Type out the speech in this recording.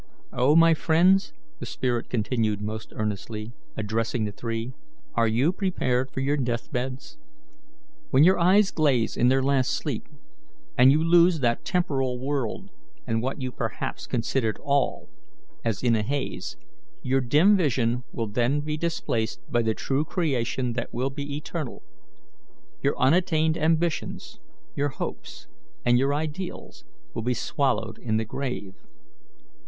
"O, my friends," the spirit continued most earnestly, addressing the three, "are you prepared for your death beds? When your eyes glaze in their last sleep, and you lose that temporal world and what you perhaps considered all, as in a haze, your dim vision will then be displaced by the true creation that will be eternal. Your unattained ambitions, your hopes, and your ideals will be swallowed in the grave.